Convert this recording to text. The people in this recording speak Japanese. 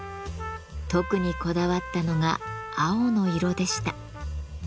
特にこだわったのが青の色でした。